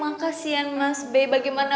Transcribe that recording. apakah prosesnya dijaga jaga altriannya